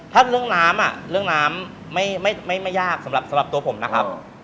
ถ้าเรื่องน้ำเรื่องน้ำไม่ยากสำหรับตัวผมนะครับ